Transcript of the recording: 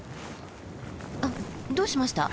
あっどうしました？